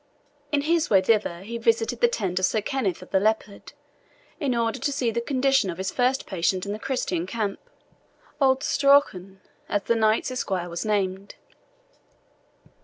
In his way thither he visited the tent of Sir Kenneth of the Leopard, in order to see the condition of his first patient in the Christian camp, old Strauchan, as the knight's esquire was named.